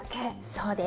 そうです。